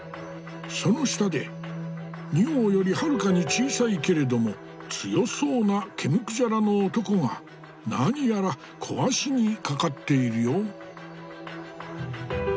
その下で仁王よりはるかに小さいけれども強そうな毛むくじゃらの男が何やら壊しにかかっているよ。